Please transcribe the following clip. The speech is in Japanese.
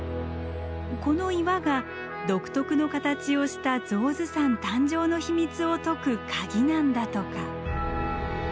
この岩が独特の形をした象頭山誕生の秘密を解く鍵なんだとか。